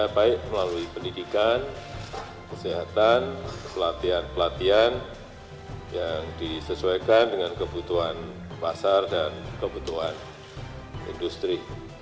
baik melalui pendidikan kesehatan pelatihan pelatihan yang disesuaikan dengan kebutuhan pasar dan kebutuhan industri